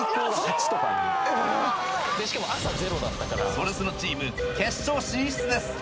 それスノチーム決勝進出です